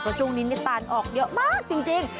เพราะช่วงนี้ตานออกเยอะมากจริง